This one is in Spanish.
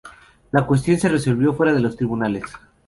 La cuestión se resolvió fuera de los tribunales.